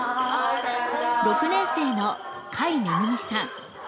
６年生の甲斐めぐみさん。